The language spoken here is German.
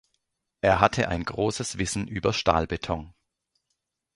Er hatte ein großes Wissen über Stahlbeton.